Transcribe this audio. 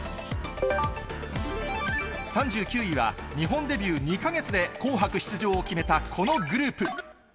３９位は、日本デビュー２か月で紅白出場を決めたこのグループ。